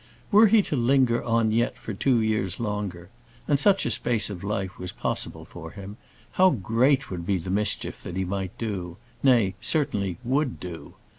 Were he to linger on yet for two years longer and such a space of life was possible for him how great would be the mischief that he might do; nay, certainly would do!